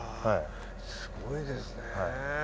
すごいですね。